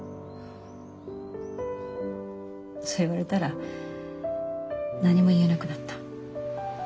それ言われたら何も言えなくなった。